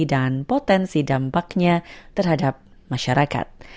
dan potensi dampaknya terhadap masyarakat